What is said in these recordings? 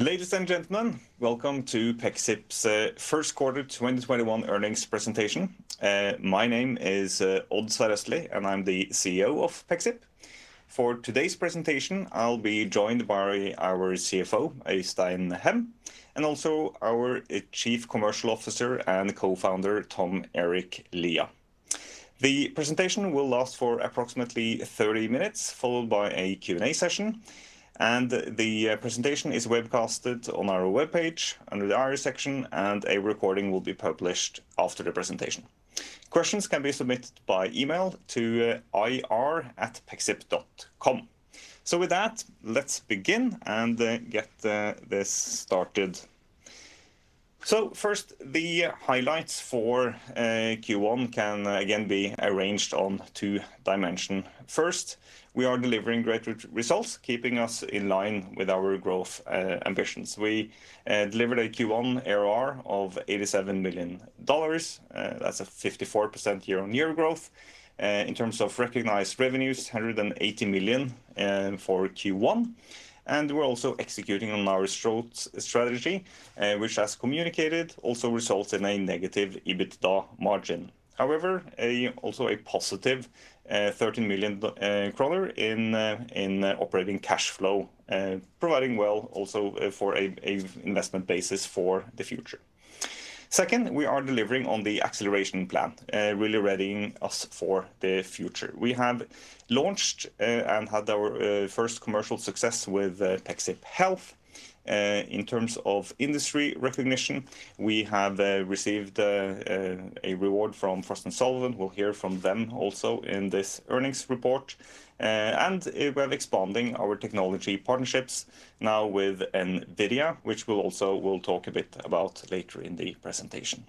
Ladies and gentlemen, welcome to Pexip's first quarter 2021 earnings presentation. My name is Odd Sverre Østlie, and I'm the CEO of Pexip. For today's presentation, I'll be joined by our CFO, Øystein Hem, and also our Chief Commercial Officer and co-founder, Tom-Erik Lia. The presentation will last for approximately 30 minutes, followed by a Q&A session, and the presentation is webcasted on our webpage under the IR section, and a recording will be published after the presentation. Questions can be submitted by email to ir@pexip.com. With that, let's begin and get this started. First, the highlights for Q1 can again be arranged on two dimension. First, we are delivering great results, keeping us in line with our growth ambitions. We delivered a Q1 ARR of $87 million. That's a 54% year-on-year growth. In terms of recognized revenues, 180 million for Q1. We're also executing on our strategy, which as communicated, also results in a negative EBITDA margin. Also a positive 13 million kroner in operating cash flow, providing well also for a investment basis for the future. Second, we are delivering on the acceleration plan, really readying us for the future. We have launched and had our first commercial success with Pexip Health. In terms of industry recognition, we have received a reward from Frost & Sullivan. We'll hear from them also in this earnings report. We're expanding our technology partnerships now with NVIDIA, which we'll talk a bit about later in the presentation.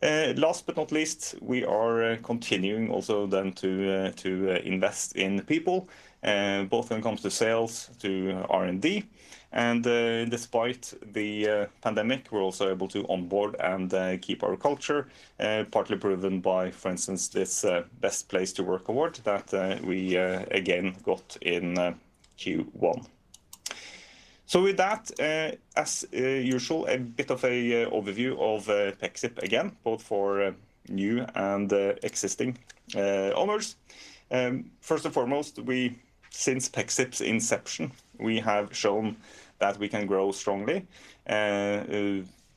Last but not least, we are continuing also then to invest in people, both when it comes to sales to R&D. Despite the pandemic, we're also able to onboard and keep our culture, partly proven by, for instance, this Best Place to Work award that we again got in Q1. With that, as usual, a bit of a overview of Pexip again, both for new and existing owners. First and foremost, since Pexip's inception, we have shown that we can grow strongly.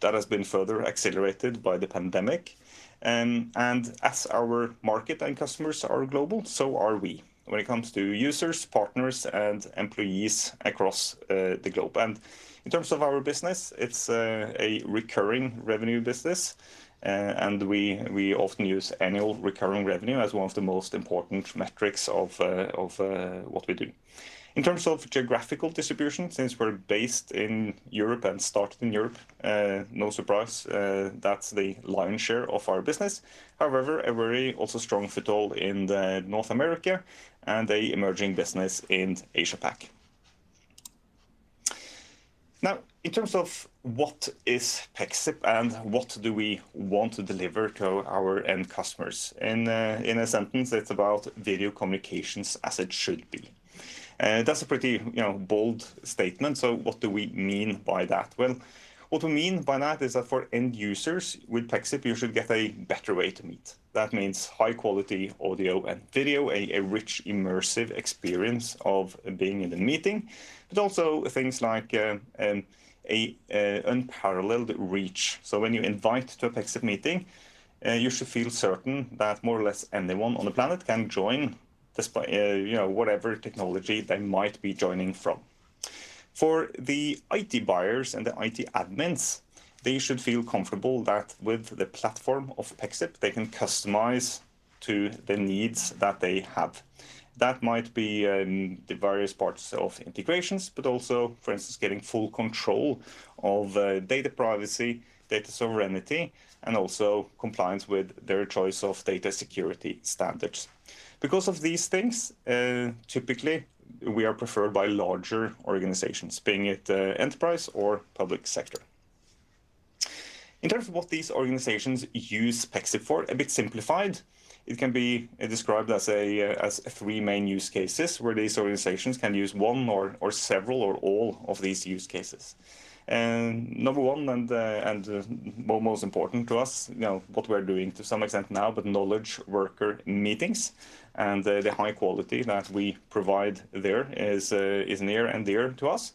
That has been further accelerated by the pandemic. As our market and customers are global, so are we when it comes to users, partners, and employees across the globe. In terms of our business, it's a recurring revenue business, and we often use annual recurring revenue as one of the most important metrics of what we do. In terms of geographical distribution, since we're based in Europe and started in Europe, no surprise, that's the lion's share of our business. However, a very also strong foothold in the North America and a emerging business in Asia-Pac. In terms of what is Pexip and what do we want to deliver to our end customers? In a sentence, it's about video communications as it should be. That's a pretty bold statement. What do we mean by that? Well, what we mean by that is that for end users with Pexip, you should get a better way to meet. That means high-quality audio and video, a rich, immersive experience of being in the meeting, but also things like an unparalleled reach. When you invite to a Pexip meeting, you should feel certain that more or less anyone on the planet can join despite whatever technology they might be joining from. For the IT buyers and the IT admins, they should feel comfortable that with the platform of Pexip, they can customize to the needs that they have. That might be in the various parts of integrations, but also, for instance, getting full control of data privacy, data sovereignty, and also compliance with their choice of data security standards. Because of these things, typically, we are preferred by larger organizations, being it enterprise or public sector. In terms of what these organizations use Pexip for, a bit simplified, it can be described as three main use cases where these organizations can use one or several or all of these use cases. Number one, and most important to us, what we're doing to some extent now, but knowledge worker meetings and the high quality that we provide there is near and dear to us.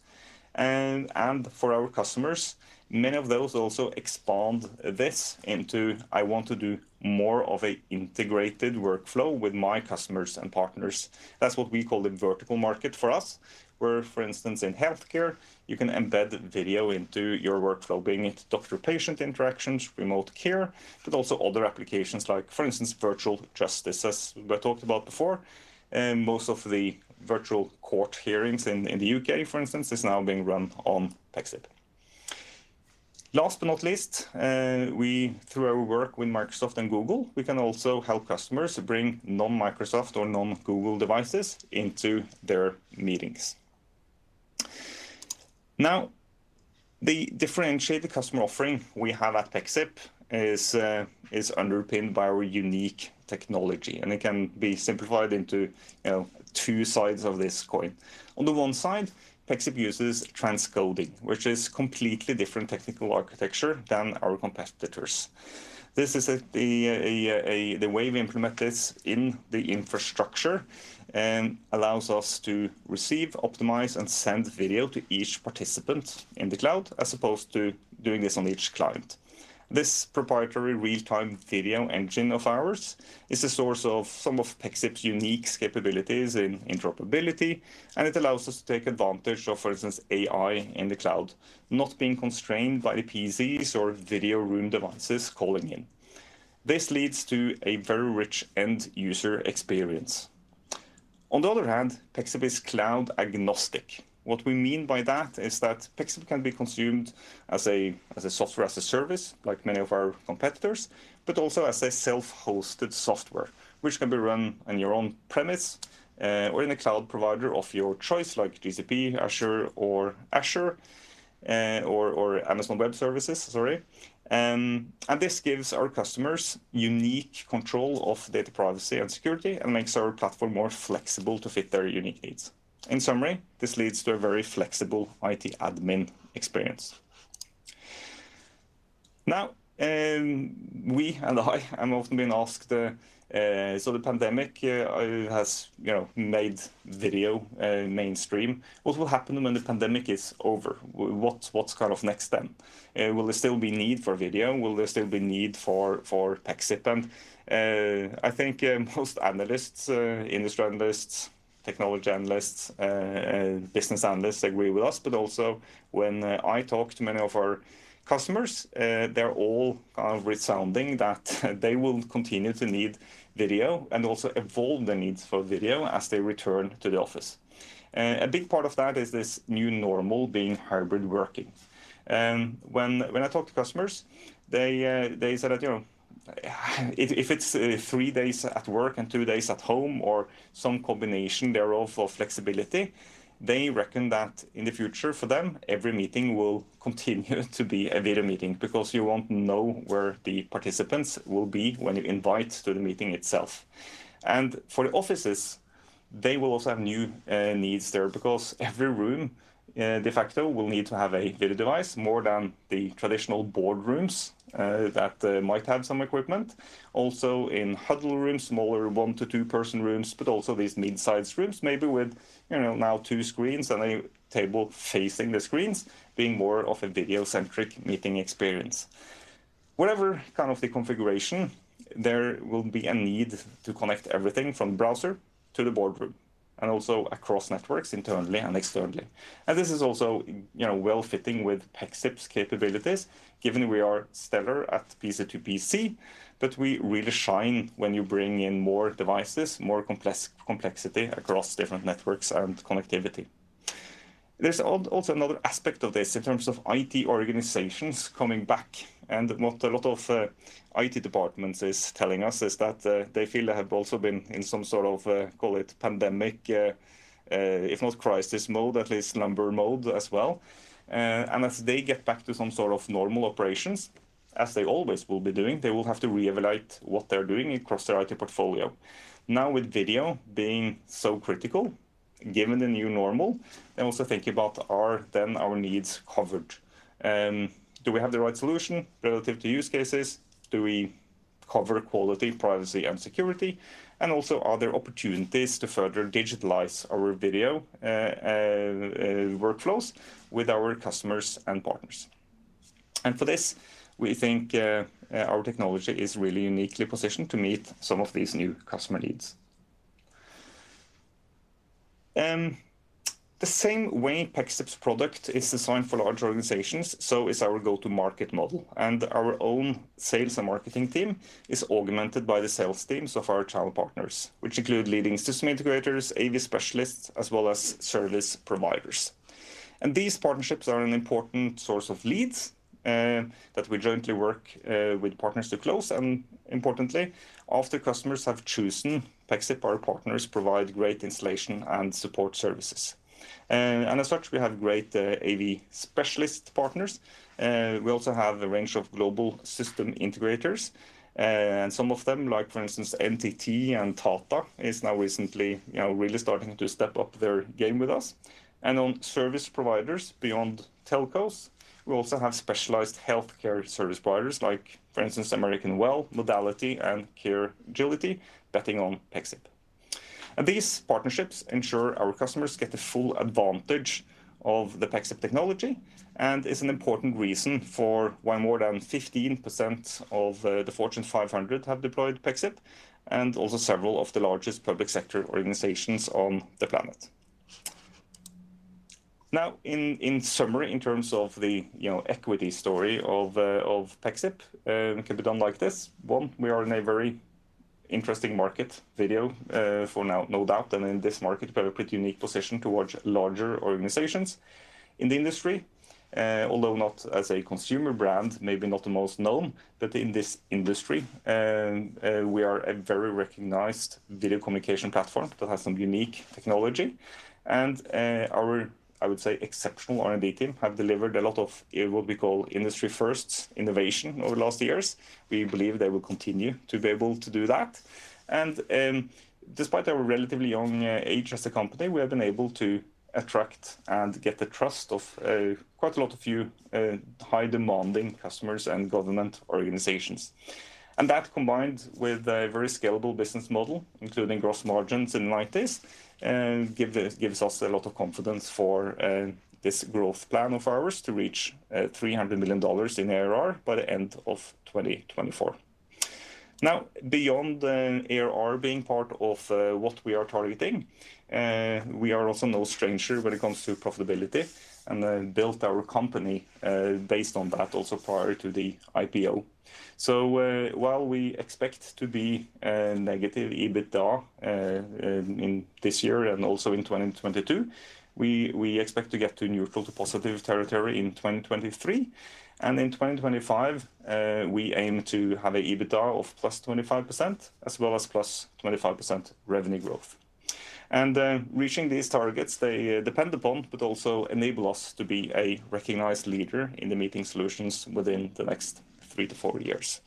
For our customers, many of those also expand this into, "I want to do more of a integrated workflow with my customers and partners." That's what we call the vertical market for us, where, for instance, in healthcare, you can embed video into your workflow, being it doctor-patient interactions, remote care, but also other applications like, for instance, virtual justice, as we talked about before. Most of the virtual court hearings in the U.K., for instance, is now being run on Pexip. Last but not least, through our work with Microsoft and Google, we can also help customers bring non-Microsoft or non-Google devices into their meetings. Now, the differentiated customer offering we have at Pexip is underpinned by our unique technology, and it can be simplified into two sides of this coin. On the one side, Pexip uses transcoding, which is completely different technical architecture than our competitors. The way we implement this in the infrastructure allows us to receive, optimize, and send video to each participant in the cloud as opposed to doing this on each client. This proprietary real-time video engine of ours is a source of some of Pexip's unique capabilities in interoperability, and it allows us to take advantage of, for instance, AI in the cloud, not being constrained by the PCs or video room devices calling in. This leads to a very rich end user experience. On the other hand, Pexip is cloud agnostic. What we mean by that is that Pexip can be consumed as a software, as a service, like many of our competitors, but also as a self-hosted software, which can be run on your own premise or in a cloud provider of your choice like GCP, Azure, or Amazon Web Services. This gives our customers unique control of data privacy and security and makes our platform more flexible to fit their unique needs. In summary, this leads to a very flexible IT admin experience. We and I am often being asked, the pandemic has made video mainstream. What will happen when the pandemic is over? What's next then? Will there still be need for video? Will there still be need for Pexip? I think most analysts, industry analysts, technology analysts, business analysts agree with us. Also when I talk to many of our customers, they're all resounding that they will continue to need video and also evolve the needs for video as they return to the office. A big part of that is this new normal being hybrid working. When I talk to customers, they said that if it's three days at work and two days at home or some combination thereof for flexibility, they reckon that in the future, for them, every meeting will continue to be a video meeting because you won't know where the participants will be when you invite to the meeting itself. For the offices, they will also have new needs there because every room, de facto, will need to have a video device more than the traditional boardrooms that might have some equipment. Also, in huddle rooms, smaller one to two-person rooms, but also these mid-size rooms, maybe with now two screens and a table facing the screens being more of a video-centric meeting experience. Whatever kind of the configuration, there will be a need to connect everything from browser to the boardroom and also across networks internally and externally. This is also well fitting with Pexip's capabilities, given we are stellar at PC to PC, but we really shine when you bring in more devices, more complexity across different networks and connectivity. There's also another aspect of this in terms of IT organizations coming back, and what a lot of IT departments is telling us is that they feel they have also been in some sort of, call it, pandemic, if not crisis mode, at least slumber mode as well. As they get back to some sort of normal operations, as they always will be doing, they will have to reevaluate what they're doing across their IT portfolio. With video being so critical, given the new normal, they're also thinking about, are then our needs covered? Do we have the right solution relative to use cases? Do we cover quality, privacy, and security? Also, are there opportunities to further digitalize our video workflows with our customers and partners? For this, we think our technology is really uniquely positioned to meet some of these new customer needs. The same way Pexip's product is designed for large organizations, so is our go-to market model, and our own sales and marketing team is augmented by the sales teams of our channel partners, which include leading system integrators, AV specialists, as well as service providers. These partnerships are an important source of leads that we jointly work with partners to close, importantly, after customers have chosen Pexip, our partners provide great installation and support services. As such, we have great AV specialist partners. We also have a range of global system integrators. Some of them, like for instance, NTT and Tata, is now recently really starting to step up their game with us. On service providers beyond telcos, we also have specialized healthcare service providers like, for instance, Amwell, Modality, and Caregility betting on Pexip. These partnerships ensure our customers get the full advantage of the Pexip technology and is an important reason for why more than 15% of the Fortune 500 have deployed Pexip and also several of the largest public sector organizations on the planet. Now, in summary, in terms of the equity story of Pexip, can be done like this. One, we are in a very interesting market, video, for now, no doubt, and in this market, we have a pretty unique position towards larger organizations in the industry. Although not as a consumer brand, maybe not the most known, but in this industry, we are a very recognized video communication platform that has some unique technology and our, I would say, exceptional R&D team have delivered a lot of what we call industry firsts innovation over the last years. We believe they will continue to be able to do that. Despite our relatively young age as a company, we have been able to attract and get the trust of quite a lot of high demanding customers and government organizations. That combined with a very scalable business model, including gross margins like this, gives us a lot of confidence for this growth plan of ours to reach $300 million in ARR by the end of 2024. Beyond ARR being part of what we are targeting, we are also no stranger when it comes to profitability and built our company based on that also prior to the IPO. While we expect to be negative EBITDA in this year and also in 2022, we expect to get to neutral to positive territory in 2023. In 2025, we aim to have an EBITDA of +25% as well as +25% revenue growth. Reaching these targets, they depend upon but also enable us to be a recognized leader in the meeting solutions within the next three to four years.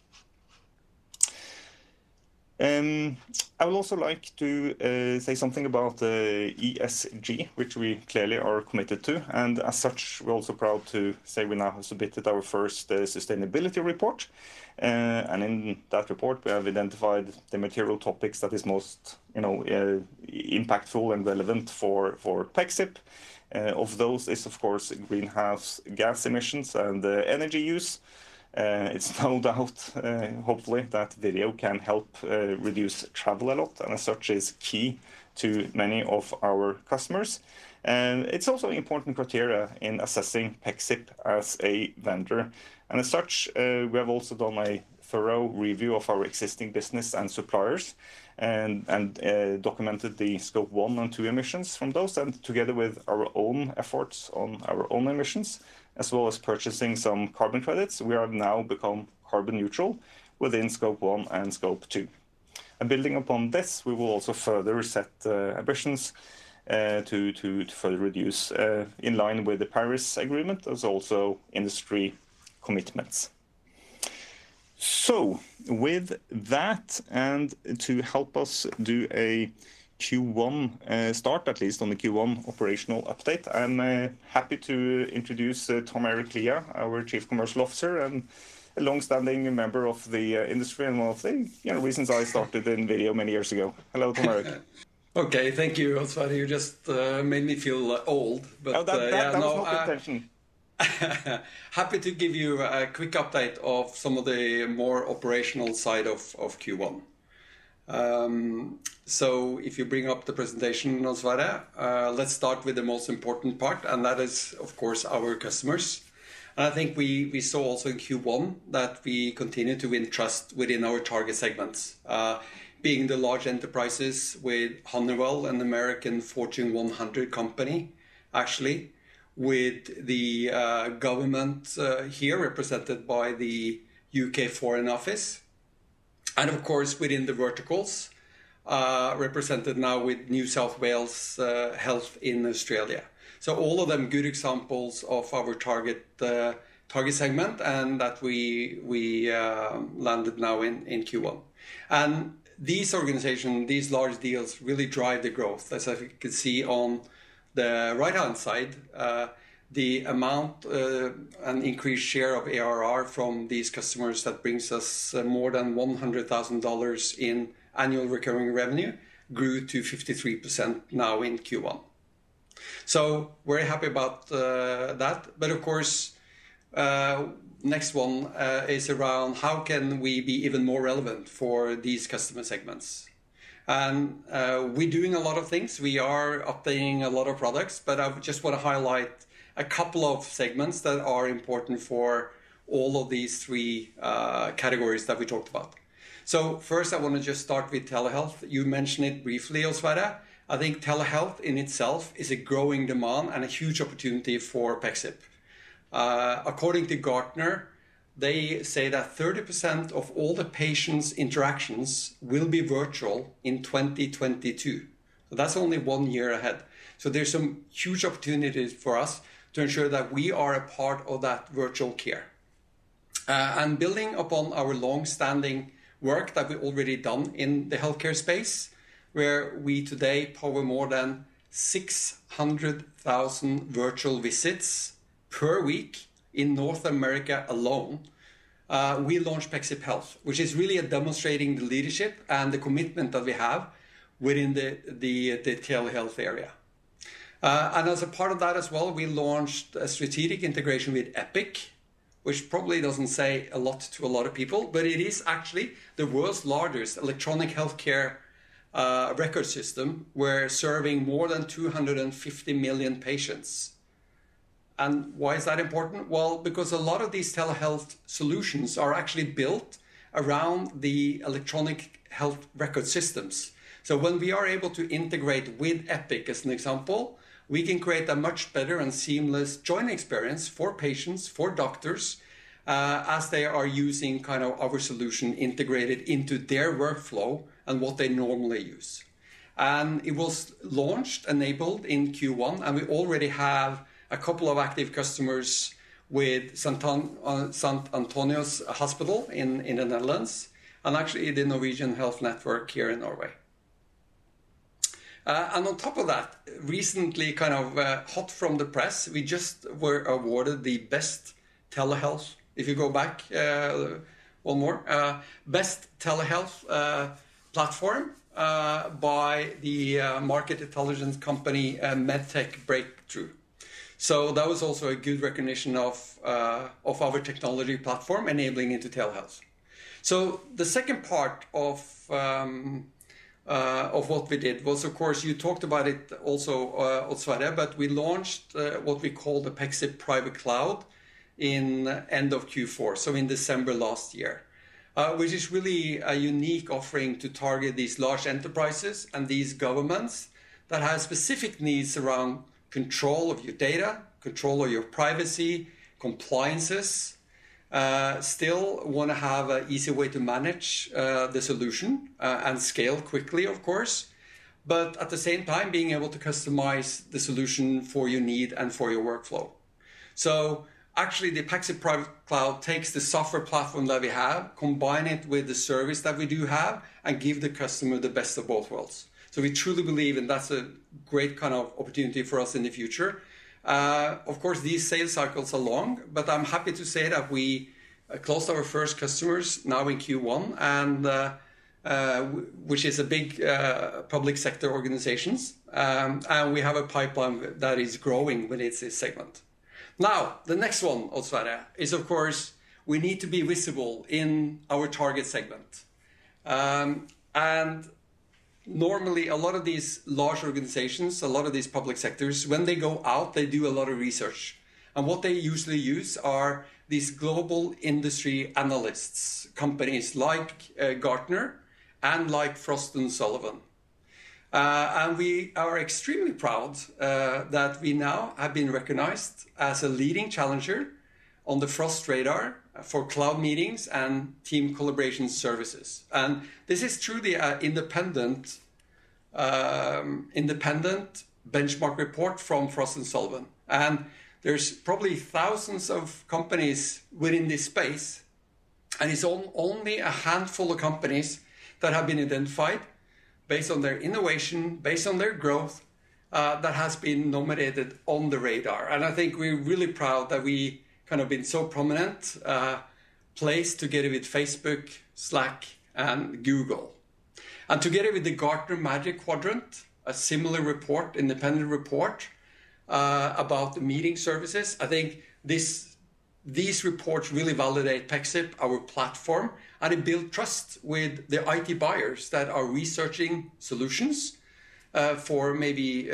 I would also like to say something about the ESG, which we clearly are committed to, as such, we're also proud to say we now have submitted our first sustainability report. In that report, we have identified the material topics that is most impactful and relevant for Pexip. Of those is, of course, greenhouse gas emissions and energy use. It's no doubt, hopefully, that video can help reduce travel a lot, and as such is key to many of our customers. It's also important criteria in assessing Pexip as a vendor. As such, we have also done a thorough review of our existing business and suppliers and documented the scope one and two emissions from those. Together with our own efforts on our own emissions, as well as purchasing some carbon credits, we have now become carbon neutral within scope one and scope two. Building upon this, we will also further set emissions to further reduce in line with the Paris Agreement as also industry commitments. With that, and to help us do a Q1 start, at least on the Q1 operational update, I'm happy to introduce Tom-Erik Lia, our Chief Commercial Officer and a longstanding member of the industry and one of the reasons I started in video many years ago. Hello, Tom-Erik. Okay. Thank you, Odd Sverre Østlie. You just made me feel old. Oh, that's not the intention. Happy to give you a quick update of some of the more operational side of Q1. If you bring up the presentation, Odd Sverre Østlie, let's start with the most important part, and that is, of course, our customers. I think we saw also in Q1 that we continue to win trust within our target segments, being the large enterprises with Honeywell, an American Fortune 100 company, actually, with the government here represented by the UK Foreign Office, and of course, within the verticals, represented now with New South Wales Health in Australia. All of them good examples of our target segment and that we landed now in Q1. These organizations, these large deals really drive the growth. As you can see on the right-hand side, the amount, an increased share of ARR from these customers that brings us more than $100,000 in annual recurring revenue grew to 53% now in Q1. We're happy about that, but of course, next one is around how can we be even more relevant for these customer segments? We're doing a lot of things. We are updating a lot of products, but I just want to highlight a couple of segments that are important for all of these three categories that we talked about. First, I want to just start with telehealth. You mentioned it briefly, Odd Sverre Østlie. I think telehealth in itself is a growing demand and a huge opportunity for Pexip. According to Gartner, they say that 30% of all the patients' interactions will be virtual in 2022. That's only one year ahead. There's some huge opportunities for us to ensure that we are a part of that virtual care. Building upon our longstanding work that we've already done in the healthcare space, where we today power more than 600,000 virtual visits per week in North America alone, we launched Pexip Health, which is really demonstrating the leadership and the commitment that we have within the telehealth area. As a part of that as well, we launched a strategic integration with Epic, which probably doesn't say a lot to a lot of people, but it is actually the world's largest electronic healthcare record system. We're serving more than 250 million patients. Why is that important? Well, because a lot of these telehealth solutions are actually built around the electronic health record systems. When we are able to integrate with Epic, as an example, we can create a much better and seamless joint experience for patients, for doctors, as they are using our solution integrated into their workflow and what they normally use. It was launched, enabled, in Q1, and we already have a couple of active customers with St. Antonius Hospital in the Netherlands, and actually, the Norwegian Health Network here in Norway. On top of that, recently, hot from the press, we just were awarded the best telehealth. If you go back one more, Best Telehealth Platform by the market intelligence company, MedTech Breakthrough. That was also a good recognition of our technology platform enabling into telehealth. The second part of what we did was, of course, you talked about it also, but we launched what we call the Pexip Private Cloud in end of Q4, so in December last year, which is really a unique offering to target these large enterprises and these governments that have specific needs around control of your data, control of your privacy, compliances. Still want to have an easy way to manage the solution and scale quickly, of course, but at the same time, being able to customize the solution for your need and for your workflow. Actually, the Pexip Private Cloud takes the software platform that we have, combine it with the service that we do have, and give the customer the best of both worlds. We truly believe, and that's a great opportunity for us in the future. These sales cycles are long. I'm happy to say that we closed our first customers now in Q1, which is a big public sector organizations. We have a pipeline that is growing within this segment. The next one, of course, we need to be visible in our target segment. Normally, a lot of these large organizations, a lot of these public sectors, when they go out, they do a lot of research. What they usually use are these global industry analysts, companies like Gartner and like Frost & Sullivan. We are extremely proud that we now have been recognized as a leading challenger on the Frost Radar for cloud meetings and team collaboration services. This is truly an independent benchmark report from Frost & Sullivan. There's probably thousands of companies within this space, and it's only a handful of companies that have been identified based on their innovation, based on their growth, that has been nominated on the Radar. I think we're really proud that we have been so prominent, placed together with Facebook, Slack, and Google. Together with the Gartner Magic Quadrant, a similar report, independent report about meeting services. I think these reports really validate Pexip, our platform, and it build trust with the IT buyers that are researching solutions for maybe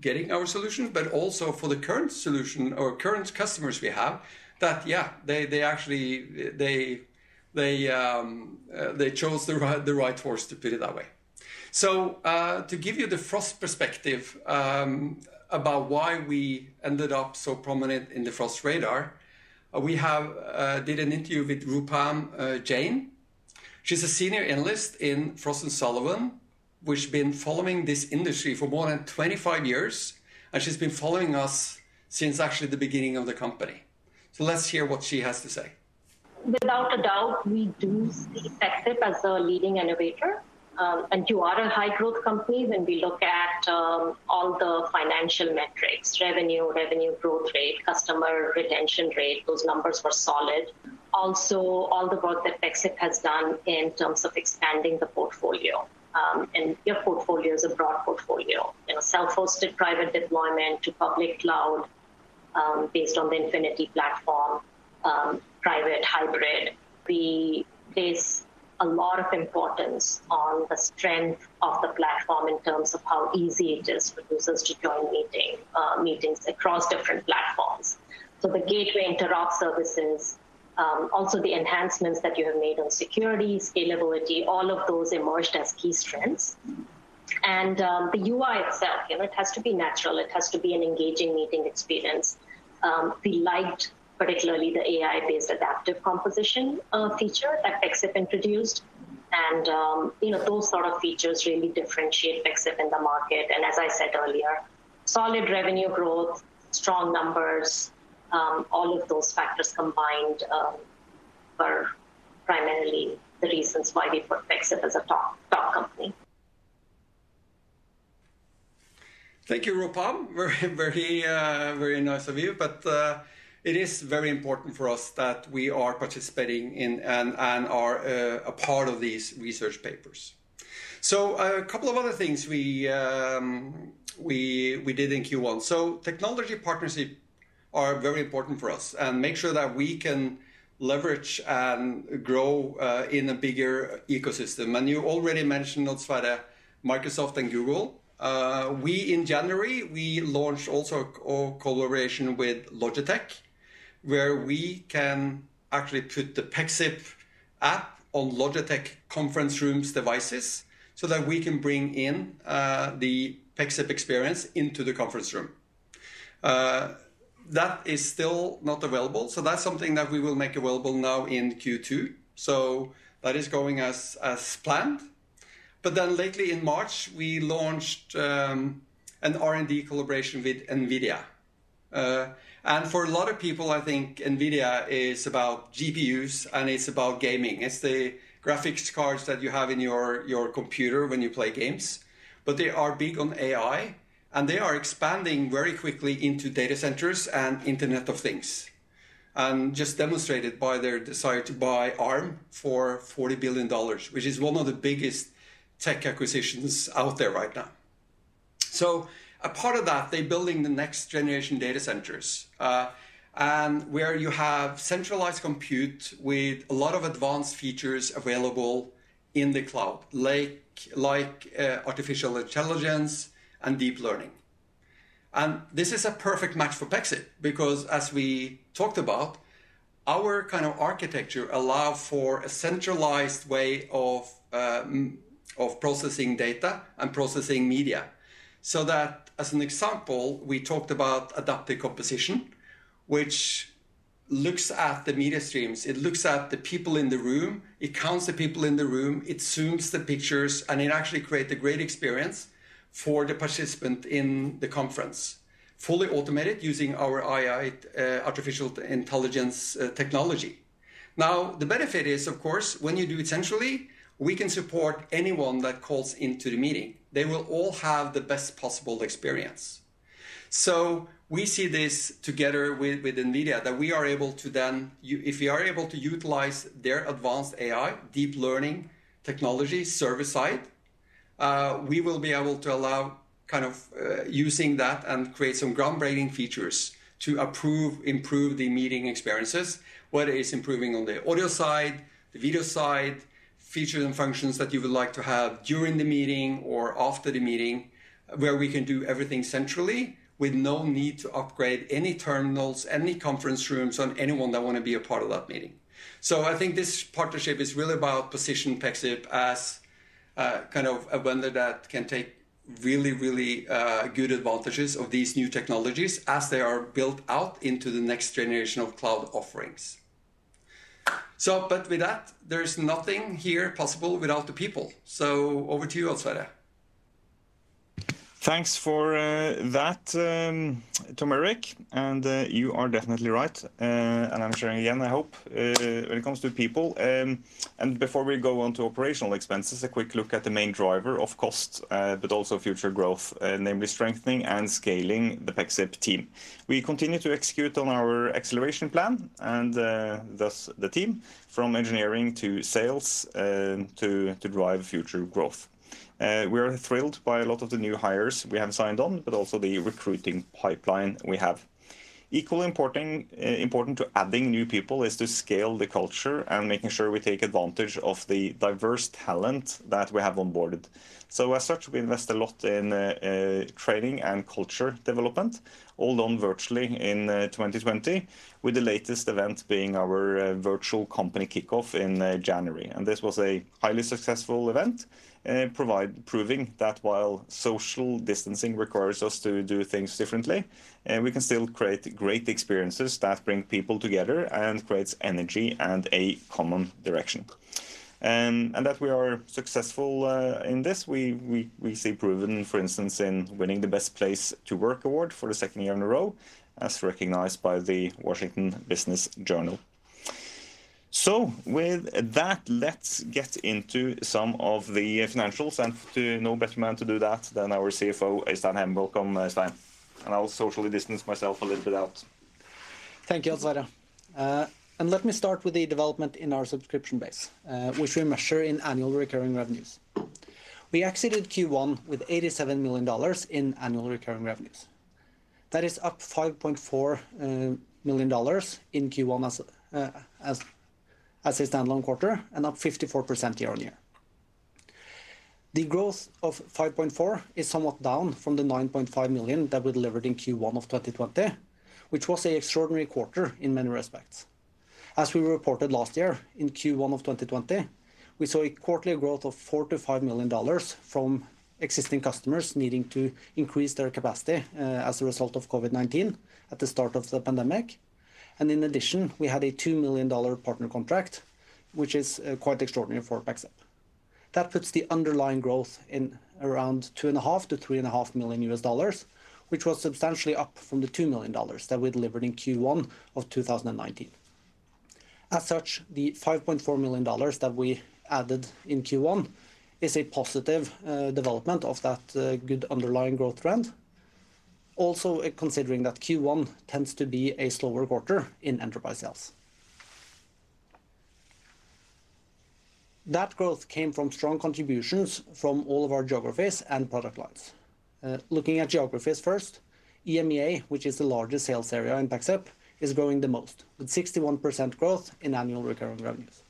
getting our solution, but also for the current solution or current customers we have that, yeah, they chose the right horse, to put it that way. To give you the Frost perspective about why we ended up so prominent in the Frost Radar, we did an interview with Roopam Jain. She's a senior analyst in Frost & Sullivan, which been following this industry for more than 25 years, and she's been following us since actually the beginning of the company. Let's hear what she has to say. Without a doubt, we do see Pexip as a leading innovator. You are a high-growth company when we look at all the financial metrics, revenue growth rate, customer retention rate, those numbers were solid. Also, all the work that Pexip has done in terms of expanding the portfolio. Your portfolio is a broad portfolio. Self-hosted private deployment to public cloud based on the Infinity platform, private, hybrid. We place a lot of importance on the strength of the platform in terms of how easy it is for users to join meetings across different platforms. The gateway interop services, also the enhancements that you have made on security, scalability, all of those emerged as key strengths. The UI itself, it has to be natural. It has to be an engaging meeting experience. We liked particularly the AI-based Adaptive Composition feature that Pexip introduced. Those sort of features really differentiate Pexip in the market. As I said earlier, solid revenue growth, strong numbers, all of those factors combined are primarily the reasons why we put Pexip as a top company. Thank you, Roopam. Very nice of you. It is very important for us that we are participating in and are a part of these research papers. A couple of other things we did in Q1. Technology partnership are very important for us and make sure that we can leverage and grow in a bigger ecosystem. You already mentioned, Odd Sverre Østlie, Microsoft and Google. In January, we launched also a collaboration with Logitech, where we can actually put the Pexip app on Logitech conference rooms devices so that we can bring in the Pexip experience into the conference room. That is still not available. That's something that we will make available now in Q2. That is going as planned. Lately in March, we launched an R&D collaboration with NVIDIA. For a lot of people, I think NVIDIA is about GPUs, and it's about gaming. It's the graphics cards that you have in your computer when you play games. They are big on AI, and they are expanding very quickly into data centers and Internet of Things, and just demonstrated by their desire to buy Arm for $40 billion, which is one of the biggest tech acquisitions out there right now. A part of that, they're building the next generation data centers, and where you have centralized compute with a lot of advanced features available in the cloud, like artificial intelligence and deep learning. This is a perfect match for Pexip because as we talked about, our kind of architecture allow for a centralized way of processing data and processing media. That as an example, we talked about Adaptive Composition, which looks at the media streams. It looks at the people in the room, it counts the people in the room, it zooms the pictures, and it actually create a great experience for the participant in the conference. Fully automated using our AI, artificial intelligence technology. The benefit is, of course, when you do it centrally, we can support anyone that calls into the meeting. They will all have the best possible experience. We see this together with NVIDIA, that we are able to, if we are able to utilize their advanced AI, deep learning technology service side, we will be able to allow using that and create some groundbreaking features to improve the meeting experiences, whether it's improving on the audio side, the video side, features and functions that you would like to have during the meeting or after the meeting, where we can do everything centrally with no need to upgrade any terminals, any conference rooms on anyone that want to be a part of that meeting. I think this partnership is really about positioning Pexip as a vendor that can take really good advantages of these new technologies as they are built out into the next generation of cloud offerings. With that, there is nothing here possible without the people. Over to you, Odd Sverre Østlie. Thanks for that, Tom-Erik, you are definitely right. I'm sharing again, I hope, when it comes to people. Before we go on to operational expenses, a quick look at the main driver of cost, but also future growth, namely strengthening and scaling the Pexip team. We continue to execute on our acceleration plan and thus the team from engineering to sales to drive future growth. We are thrilled by a lot of the new hires we have signed on, but also the recruiting pipeline we have. Equally important to adding new people is to scale the culture and making sure we take advantage of the diverse talent that we have onboarded. As such, we invest a lot in training and culture development, all done virtually in 2020, with the latest event being our virtual company kickoff in January. This was a highly successful event, proving that while social distancing requires us to do things differently, we can still create great experiences that bring people together and creates energy and a common direction. That we are successful in this, we see proven, for instance, in winning the Best Place to Work award for the second year in a row, as recognized by the Washington Business Journal. With that, let's get into some of the financials and to no better man to do that than our CFO, Øystein Hem. Welcome, Øystein. I'll socially distance myself a little bit out. Thank you, Odd Sverre Østlie. Let me start with the development in our subscription base, which we measure in annual recurring revenues. We exited Q1 with $87 million in annual recurring revenues. That is up $5.4 million in Q1 as a standalone quarter and up 54% year-over-year. The growth of $5.4 million is somewhat down from the $9.5 million that we delivered in Q1 of 2020, which was an extraordinary quarter in many respects. As we reported last year in Q1 of 2020, we saw a quarterly growth of $4 million-$5 million from existing customers needing to increase their capacity as a result of COVID-19 at the start of the pandemic. In addition, we had a $2 million partner contract, which is quite extraordinary for Pexip. That puts the underlying growth in around $2.5 to $3.5 million, which was substantially up from the $2 million that we delivered in Q1 of 2019. As such, the $5.4 million that we added in Q1 is a positive development of that good underlying growth trend. Also considering that Q1 tends to be a slower quarter in enterprise sales. That growth came from strong contributions from all of our geographies and product lines. Looking at geographies first, EMEA, which is the largest sales area in Pexip, is growing the most, with 61% growth in annual recurring revenues,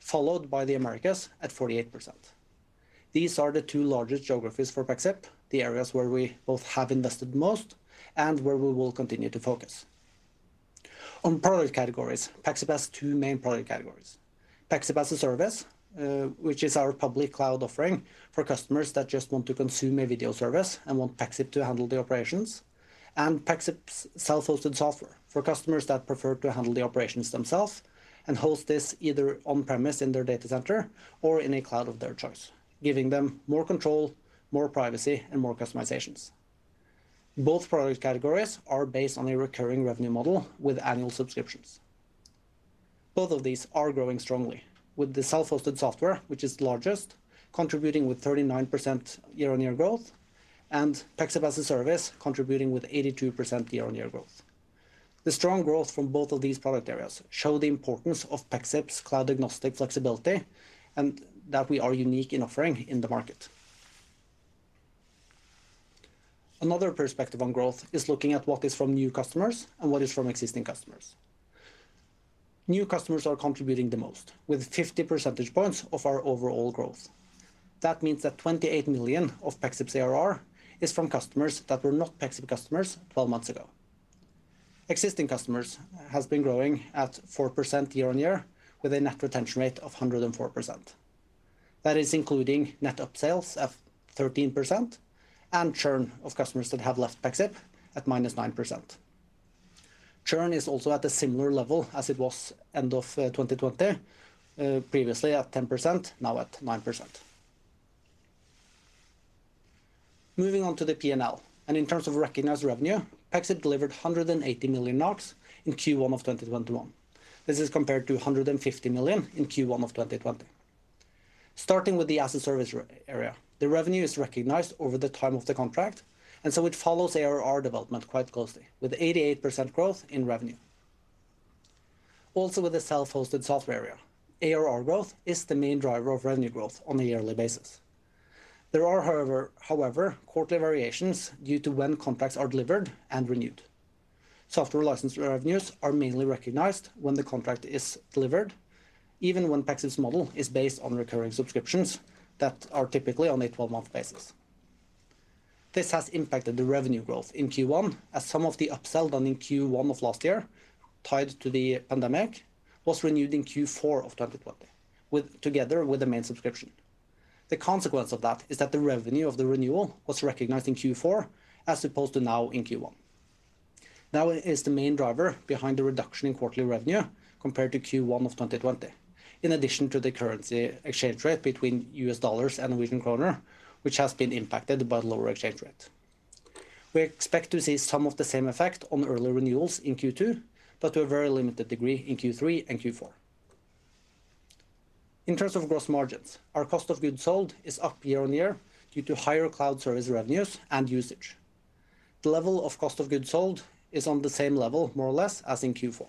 followed by the Americas at 48%. These are the two largest geographies for Pexip, the areas where we both have invested most and where we will continue to focus. On product categories, Pexip has two main product categories. Pexip as-a-Service, which is our public cloud offering for customers that just want to consume a video service and want Pexip to handle the operations, and Pexip's self-hosted software for customers that prefer to handle the operations themselves and host this either on-premise in their data center or in a cloud of their choice, giving them more control, more privacy, and more customizations. Both product categories are based on a recurring revenue model with annual subscriptions. Both of these are growing strongly with the self-hosted software, which is the largest, contributing with 39% year-on-year growth, and Pexip as-a-Service, contributing with 82% year-on-year growth. The strong growth from both of these product areas show the importance of Pexip's cloud-agnostic flexibility, and that we are unique in offering in the market. Another perspective on growth is looking at what is from new customers and what is from existing customers. New customers are contributing the most, with 50 percentage points of our overall growth. That means that $28 million of Pexip's ARR is from customers that were not Pexip customers 12 months ago. Existing customers have been growing at 4% year-on-year with a net retention rate of 104%. That is including net upsales of 13% and churn of customers that have left Pexip at -9%. Churn is also at a similar level as it was end of 2020, previously at 10%, now at 9%. Moving on to the P&L, in terms of recognized revenue, Pexip delivered 180 million NOK in Q1 of 2021. This is compared to 150 million in Q1 of 2020. Starting with the as-a-Service area, the revenue is recognized over the time of the contract, it follows ARR development quite closely, with 88% growth in revenue. Also with the self-hosted software area, ARR growth is the main driver of revenue growth on a yearly basis. There are, however, quarterly variations due to when contracts are delivered and renewed. Software license revenues are mainly recognized when the contract is delivered, even when Pexip's model is based on recurring subscriptions that are typically on a 12-month basis. This has impacted the revenue growth in Q1, as some of the upsell done in Q1 of last year tied to the pandemic was renewed in Q4 of 2020, together with the main subscription. The consequence of that is that the revenue of the renewal was recognized in Q4 as opposed to now in Q1. It is the main driver behind the reduction in quarterly revenue compared to Q1 2020. In addition to the currency exchange rate between U.S. dollars and NOK, which has been impacted by lower exchange rate. We expect to see some of the same effect on early renewals in Q2, but to a very limited degree in Q3 and Q4. In terms of gross margins, our cost of goods sold is up year-on-year due to higher cloud service revenues and usage. The level of cost of goods sold is on the same level, more or less, as in Q4.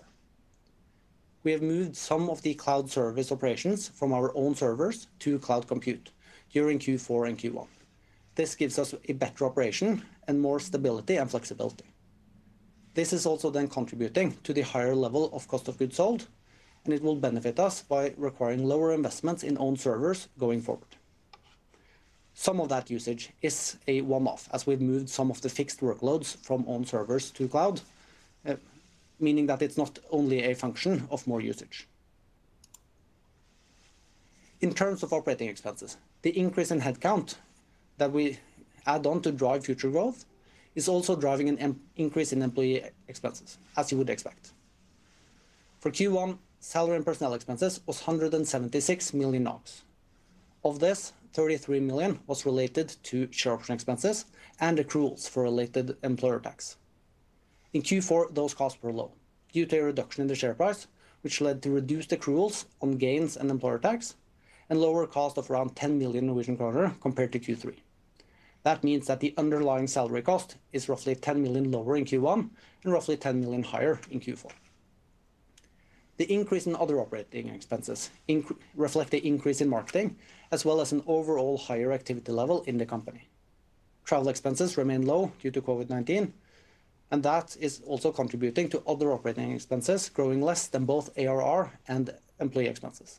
We have moved some of the cloud service operations from our own servers to cloud compute during Q4 and Q1. This gives us a better operation and more stability and flexibility. This is also then contributing to the higher level of cost of goods sold, and it will benefit us by requiring lower investments in own servers going forward. Some of that usage is a one-off, as we've moved some of the fixed workloads from own servers to cloud, meaning that it's not only a function of more usage. In terms of operating expenses, the increase in headcount that we add on to drive future growth is also driving an increase in employee expenses, as you would expect. For Q1, salary and personnel expenses was 176 million NOK. Of this, 33 million was related to share option expenses and accruals for related employer tax. In Q4, those costs were low due to a reduction in the share price, which led to reduced accruals on gains and employer tax and lower cost of around 10 million Norwegian kroner compared to Q3. That means that the underlying salary cost is roughly 10 million lower in Q1 and roughly 10 million higher in Q4. The increase in other operating expenses reflect the increase in marketing, as well as an overall higher activity level in the company. Travel expenses remain low due to COVID-19. That is also contributing to other operating expenses growing less than both ARR and employee expenses.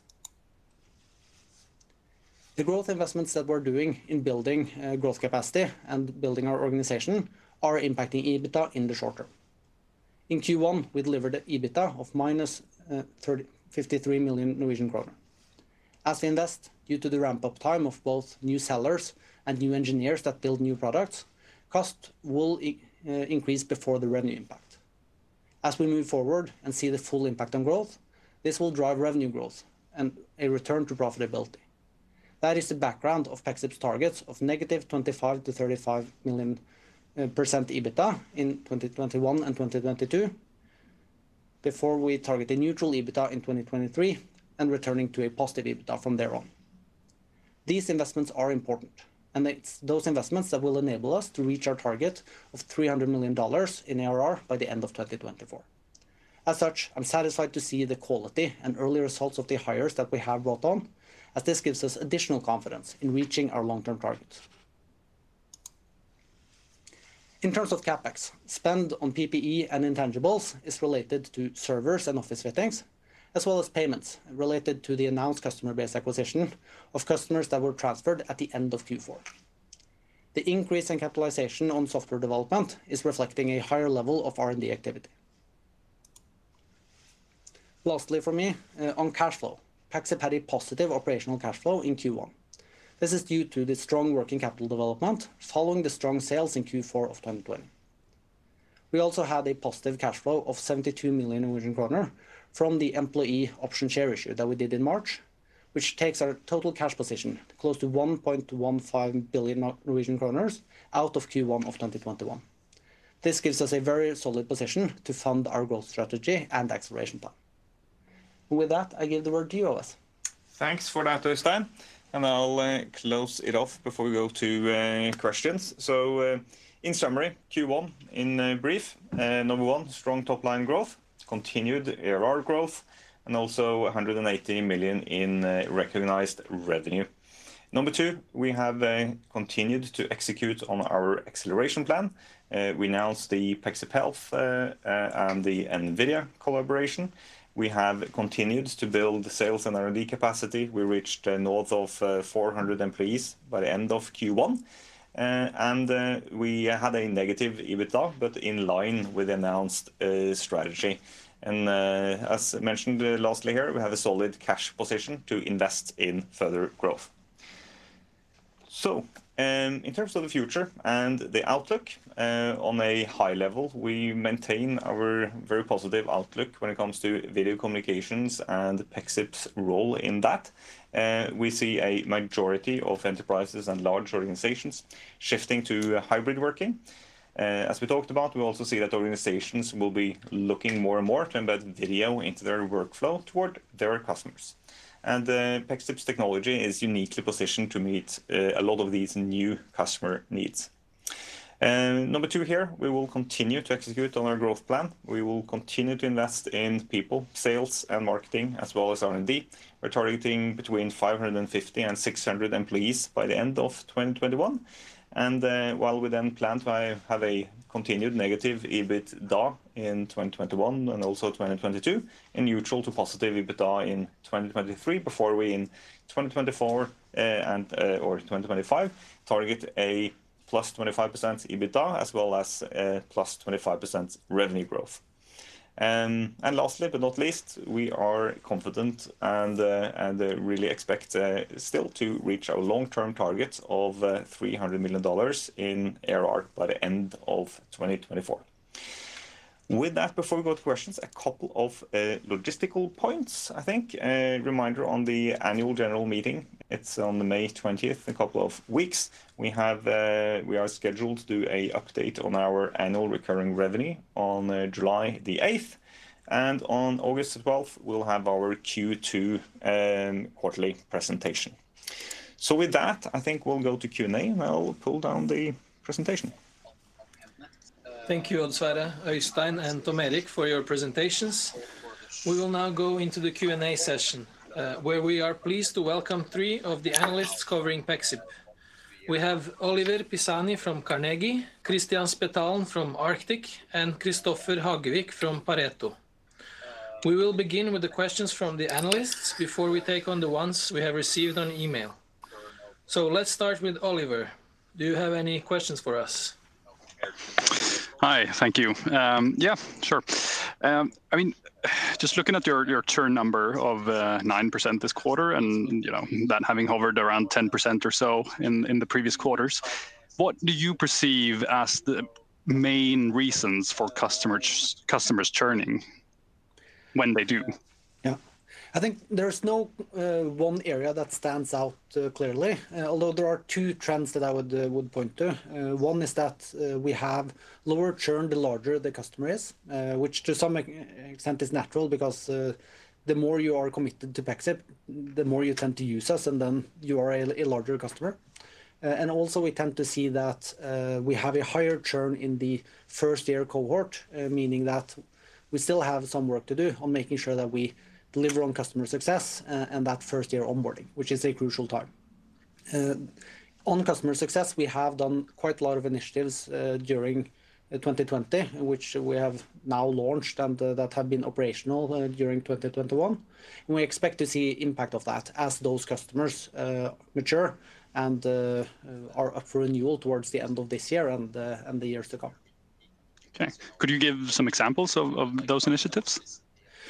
The growth investments that we're doing in building growth capacity and building our organization are impacting EBITDA in the short term. In Q1, we delivered EBITDA of -53 million Norwegian kroner. As we invest due to the ramp-up time of both new sellers and new engineers that build new products, cost will increase before the revenue impact. As we move forward and see the full impact on growth, this will drive revenue growth and a return to profitability. That is the background of Pexip's targets of negative 25%-35% EBITDA in 2021 and 2022, before we target a neutral EBITDA in 2023 and returning to a positive EBITDA from there on. These investments are important, and it's those investments that will enable us to reach our target of $300 million in ARR by the end of 2024. As such, I'm satisfied to see the quality and early results of the hires that we have brought on, as this gives us additional confidence in reaching our long-term targets. In terms of CapEx, spend on PPE and intangibles is related to servers and office fittings, as well as payments related to the announced customer base acquisition of customers that were transferred at the end of Q4. The increase in capitalization on software development is reflecting a higher level of R&D activity. Lastly from me, on cash flow, Pexip had a positive operational cash flow in Q1. This is due to the strong working capital development following the strong sales in Q4 of 2020. We also had a positive cash flow of 72 million kroner from the employee option share issue that we did in March, which takes our total cash position to close to 1.15 billion Norwegian kroner out of Q1 of 2021. This gives us a very solid position to fund our growth strategy and acceleration plan. With that, I give the word to you, Odd Østlie. Thanks for that, Øystein, I'll close it off before we go to questions. In summary, Q1 in brief. Number one, strong top-line growth, continued ARR growth, and also 180 million in recognized revenue. Number two, we have continued to execute on our acceleration plan. We announced the Pexip Health and the NVIDIA collaboration. We have continued to build sales and R&D capacity. We reached north of 400 employees by the end of Q1. We had a negative EBITDA, in line with announced strategy. As mentioned lastly here, we have a solid cash position to invest in further growth. In terms of the future and the outlook, on a high level, we maintain our very positive outlook when it comes to video communications and Pexip's role in that. We see a majority of enterprises and large organizations shifting to hybrid working. As we talked about, we also see that organizations will be looking more and more to embed video into their workflow toward their customers. Pexip's technology is uniquely positioned to meet a lot of these new customer needs. Number two here, we will continue to execute on our growth plan. We will continue to invest in people, sales and marketing, as well as R&D. We're targeting between 550 and 600 employees by the end of 2021. While we then plan to have a continued negative EBITDA in 2021 and also 2022, and neutral to positive EBITDA in 2023, before we in 2024 and/or 2025 target a +25% EBITDA as well as a +25% revenue growth. Lastly but not least, we are confident and really expect still to reach our long-term targets of $300 million in ARR by the end of 2024. With that, before we go to questions, a couple of logistical points, I think. A reminder on the annual general meeting, it's on the May 20th, a couple of weeks. We are scheduled to do an update on our annual recurring revenue on July the 8th. On August 12th, we'll have our Q2 quarterly presentation. With that, I think we'll go to Q&A, and I'll pull down the presentation. Thank you, Odd Sverre Østlie, Øystein Hem, and Tom-Erik Lia, for your presentations. We will now go into the Q&A session, where we are pleased to welcome three of the analysts covering Pexip. We have Oliver Pisani from Carnegie, Kristian Spetalen from Arctic, and Kristoffer Hagevik from Pareto. We will begin with the questions from the analysts before we take on the ones we have received on email. Let's start with Oliver. Do you have any questions for us? Hi, thank you. Yeah, sure. Just looking at your churn number of 9% this quarter and that having hovered around 10% or so in the previous quarters, what do you perceive as the main reasons for customers churning when they do? Yeah. I think there's no one area that stands out clearly, although there are two trends that I would point to. One is that we have lower churn the larger the customer is, which to some extent is natural, because the more you are committed to Pexip, the more you tend to use us, and then you are a larger customer. Also, we tend to see that we have a higher churn in the first-year cohort, meaning that we still have some work to do on making sure that we deliver on customer success and that first-year onboarding, which is a crucial time. On customer success, we have done quite a lot of initiatives during 2020, which we have now launched and that have been operational during 2021. We expect to see impact of that as those customers mature and are up for renewal towards the end of this year and the years to come. Okay. Could you give some examples of those initiatives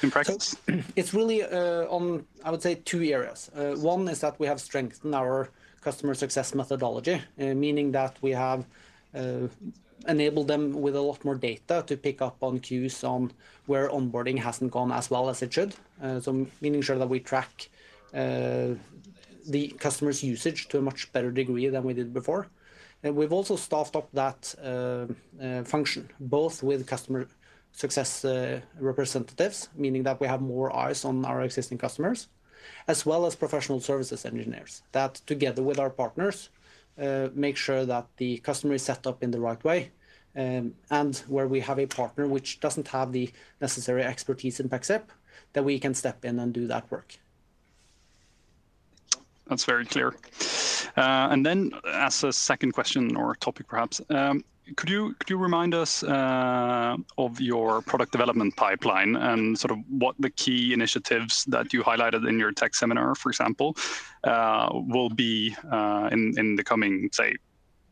in practice? It's really on, I would say, two areas. One is that we have strengthened our customer success methodology, meaning that we have enabled them with a lot more data to pick up on cues on where onboarding hasn't gone as well as it should. Meaning sure that we track the customer's usage to a much better degree than we did before. We've also staffed up that function, both with customer success representatives, meaning that we have more eyes on our existing customers, as well as professional services engineers, that together with our partners, make sure that the customer is set up in the right way. Where we have a partner which doesn't have the necessary expertise in Pexip, then we can step in and do that work. That's very clear. Then as a second question or topic, perhaps, could you remind us of your product development pipeline and what the key initiatives that you highlighted in your tech seminar, for example, will be in the coming, say,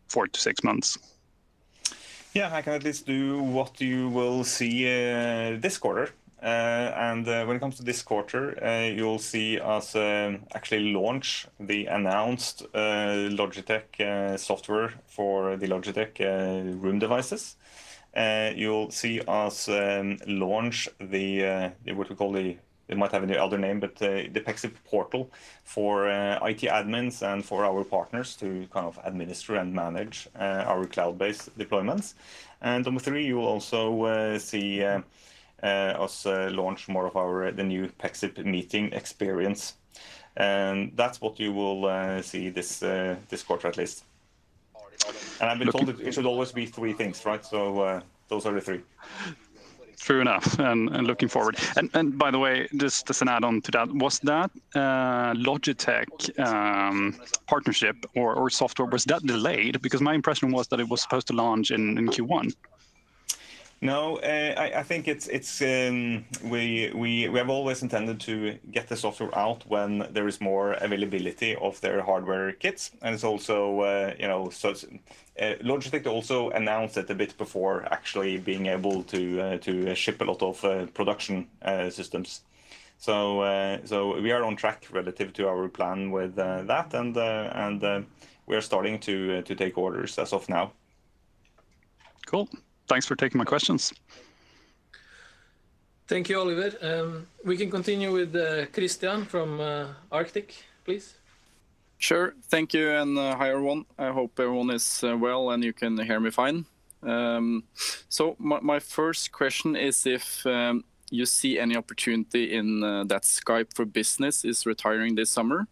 four to six months? Yeah, I can at least do what you will see this quarter. When it comes to this quarter, you'll see us actually launch the announced Logitech software for the Logitech room devices. You'll see us launch the, what we call the, it might have an older name, but the Pexip portal for IT admins and for our partners to administer and manage our cloud-based deployments. Number three, you will also see us launch more of the new Pexip meeting experience. That's what you will see this quarter, at least. Looking- I've been told it should always be three things, right? Those are the three. Fair enough. Looking forward. By the way, just as an add-on to that, was that Logitech partnership or software, was that delayed? Because my impression was that it was supposed to launch in Q1. No, I think we have always intended to get the software out when there is more availability of their hardware kits. Logitech also announced it a bit before actually being able to ship a lot of production systems. We are on track relative to our plan with that, and we are starting to take orders as of now. Cool. Thanks for taking my questions. Thank you, Oliver. We can continue with Kristian from Arctic, please. Sure. Thank you and hi, everyone. I hope everyone is well, and you can hear me fine. My first question is if you see any opportunity in that Skype for Business is retiring this summer?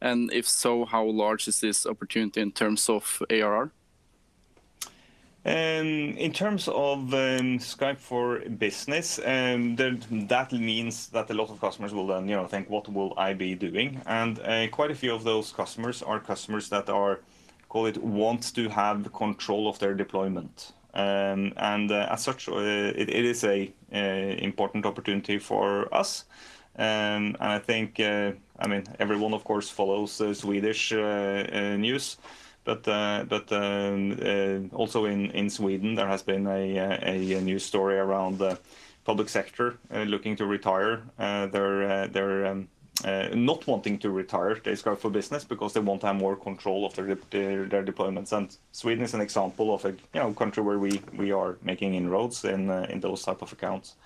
If so, how large is this opportunity in terms of ARR? In terms of Skype for Business, that means that a lot of customers will then think, "What will I be doing?" Quite a few of those customers are customers that want to have control of their deployment. As such, it is an important opportunity for us. I think everyone, of course, follows Swedish news. Also in Sweden, there has been a news story around the public sector looking to retire. Not wanting to retire the Skype for Business because they want to have more control of their deployments. Sweden is an example of a country where we are making inroads in those type of accounts.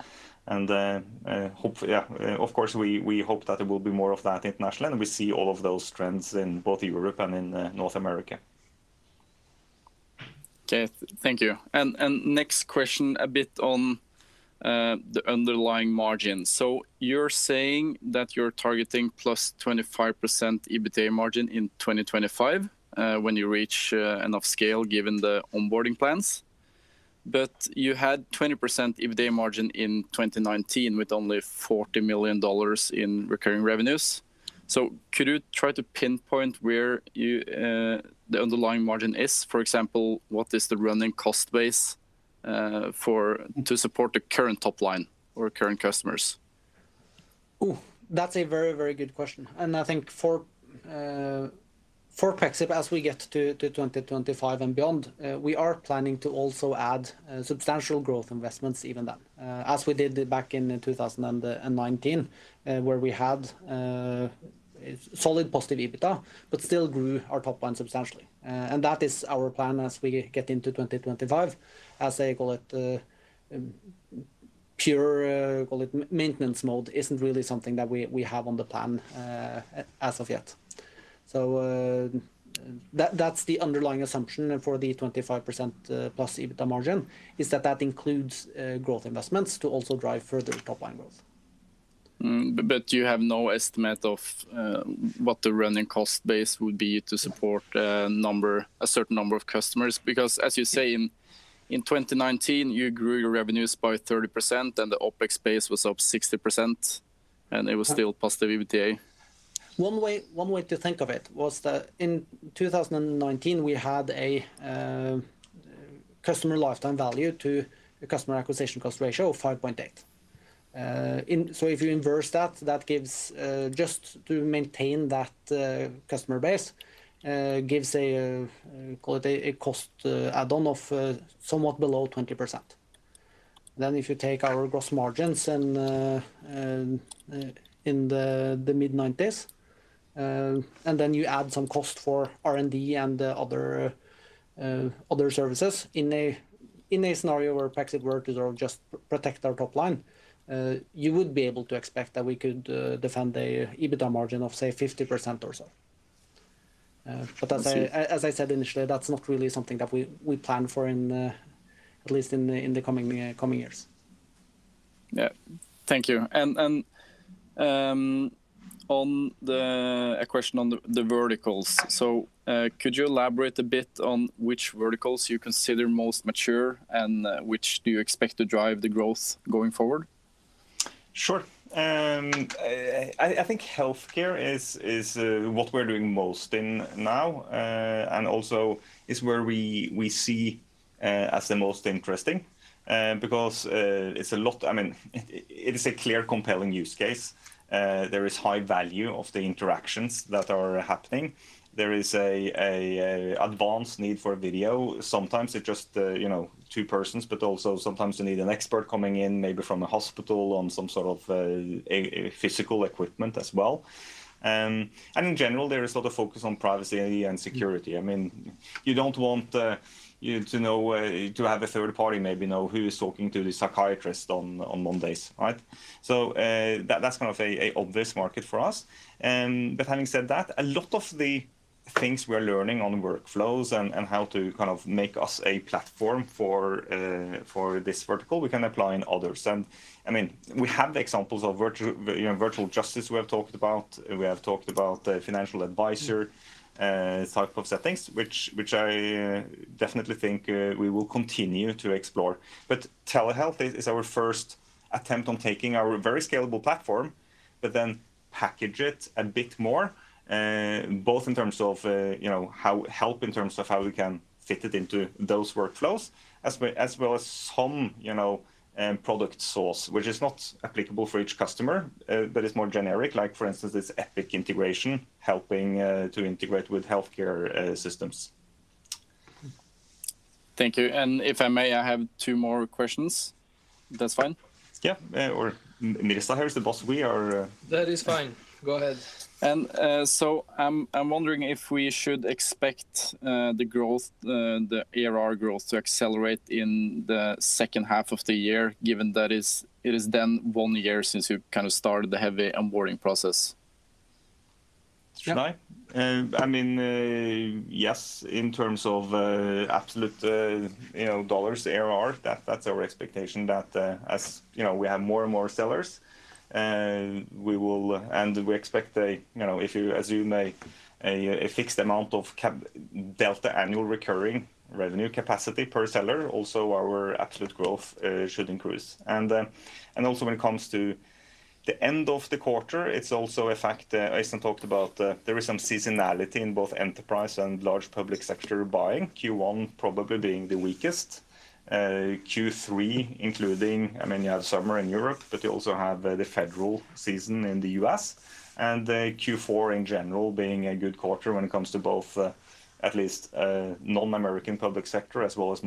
Hopefully, yeah, of course, we hope that there will be more of that internationally, and we see all of those trends in both Europe and in North America. Okay. Thank you. Next question a bit on the underlying margin. You're saying that you're targeting +25% EBITDA margin in 2025, when you reach enough scale given the onboarding plans. You had 20% EBITDA margin in 2019 with only $40 million in recurring revenues. Could you try to pinpoint where the underlying margin is? For example, what is the running cost base to support the current top line or current customers? Oh, that's a very good question. I think for Pexip, as we get to 2025 and beyond, we are planning to also add substantial growth investments even then, as we did back in 2019, where we had a solid positive EBITDA but still grew our top line substantially. That is our plan as we get into 2025. Pure maintenance mode isn't really something that we have on the plan as of yet. That's the underlying assumption for the 25%+ EBITDA margin, is that that includes growth investments to also drive further top line growth. You have no estimate of what the running cost base would be to support a certain number of customers, because as you say, in 2019, you grew your revenues by 30%, and the OpEx base was up 60%, and it was still positive EBITDA. One way to think of it was that in 2019, we had a customer lifetime value to customer acquisition cost ratio of 5.8. If you inverse that, just to maintain that customer base gives a cost add-on of somewhat below 20%. If you take our gross margins in the mid-90s, and then you add some cost for R&D and other services in a scenario where Pexip were to just protect our top line you would be able to expect that we could defend a EBITDA margin of, say, 50% or so. I see. As I said initially, that's not really something that we plan for in at least in the coming years. Yeah. Thank you. A question on the verticals. Could you elaborate a bit on which verticals you consider most mature and which do you expect to drive the growth going forward? Sure. I think healthcare is what we're doing most in now, and also is where we see as the most interesting, because it is a clear, compelling use case. There is high value of the interactions that are happening. There is an advanced need for video. Sometimes it's just two persons, but also sometimes you need an expert coming in, maybe from a hospital on some sort of physical equipment as well. In general, there is a lot of focus on privacy and security. You don't want to have a third party maybe know who is talking to the psychiatrist on Mondays. That's an obvious market for us. Having said that, a lot of the things we're learning on workflows and how to make us a platform for this vertical, we can apply in others. We have the examples of virtual justice we have talked about. We have talked about the financial advisor type of settings, which I definitely think we will continue to explore. Telehealth is our first attempt on taking our very scalable platform, but then package it a bit more, both in terms of help in terms of how we can fit it into those workflows, as well as some product source, which is not applicable for each customer, but it's more generic. For instance, this Epic integration helping to integrate with healthcare systems. Thank you. If I may, I have two more questions. If that's fine? Yeah. Or Niraj is the boss. That is fine. Go ahead. I'm wondering if we should expect the ARR growth to accelerate in the second half of the year, given that it is then one year since you started the heavy onboarding process? Should I? Yes, in terms of absolute dollars ARR, that's our expectation, that as we have more and more sellers, and we expect if you assume a fixed amount of delta annual recurring revenue capacity per seller, also our absolute growth should increase. When it comes to the end of the quarter, it's also a factor Øystein talked about, there is some seasonality in both enterprise and large public sector buying, Q1 probably being the weakest. Q3, including, you have summer in Europe, but you also have the federal season in the U.S., and Q4 in general being a good quarter when it comes to both at least non-American public sector, as well as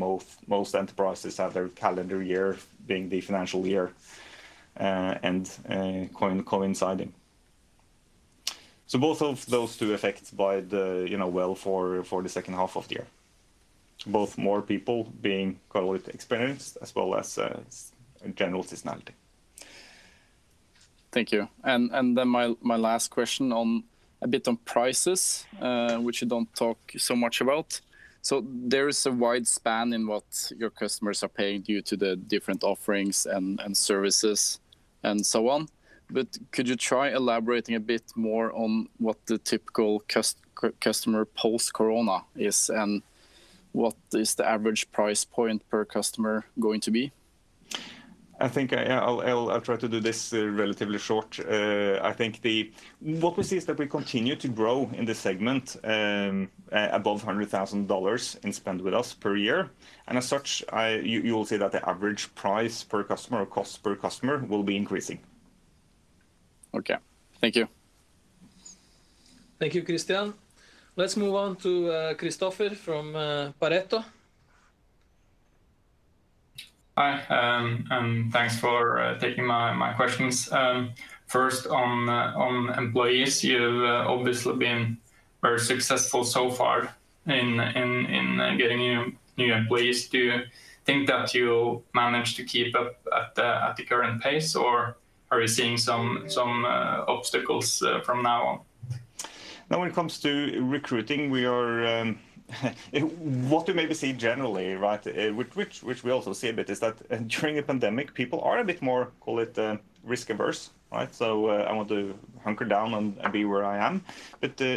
most enterprises have their calendar year being the financial year and coinciding. Both of those two effects bide well for the second half of the year. Both more people being call it experienced, as well as general seasonality. Thank you. Then my last question on a bit on prices, which you don't talk so much about. There is a wide span in what your customers are paying due to the different offerings and services and so on. Could you try elaborating a bit more on what the typical customer post-corona is, and what is the average price point per customer going to be? I think I'll try to do this relatively short. I think what we see is that we continue to grow in this segment above $100,000 in spend with us per year. As such, you'll see that the average price per customer or cost per customer will be increasing. Okay. Thank you. Thank you, Kristian. Let's move on to Kristoffer from Pareto. Hi. Thanks for taking my questions. First on employees, you've obviously been very successful so far in getting new employees. Do you think that you'll manage to keep up at the current pace, or are you seeing some obstacles from now on? No, when it comes to recruiting, what we maybe see generally, which we also see a bit, is that during a pandemic, people are a bit more, call it risk averse. I want to hunker down and be where I am.